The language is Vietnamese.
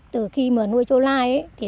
từ khi nuôi châu lai